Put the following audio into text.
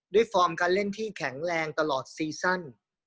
ฟอร์มการเล่นที่แข็งแรงตลอดซีซั่น